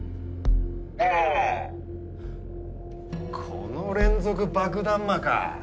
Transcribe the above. この連続爆弾魔か。